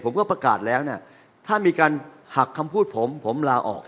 ผมก็ประกาศแล้วเนี่ยถ้ามีการหักคำพูดผมผมลาออก